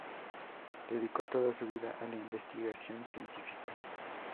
Dedicó toda su vida a la investigación científica.